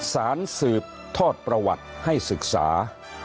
สืบทอดประวัติให้ศึกษา